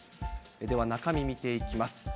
では中身見ていきます。